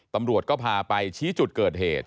ตำรวจก็พาไปชี้จุดเกิดเหตุ